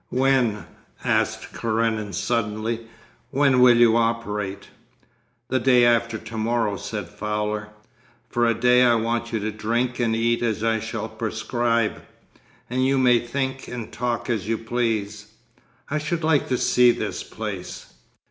'When,' asked Karenin suddenly, 'when will you operate?' 'The day after to morrow,' said Fowler. 'For a day I want you to drink and eat as I shall prescribe. And you may think and talk as you please.' 'I should like to see this place.